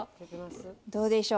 どうでしょう？